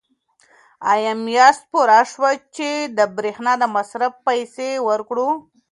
آیا میاشت پوره شوه چې د برېښنا د مصرف پیسې ورکړو؟